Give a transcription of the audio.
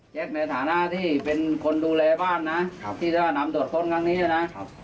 ในฐานะที่เป็นคนดูแลบ้านนะที่จะนำตรวจค้นครั้งนี้นะครับ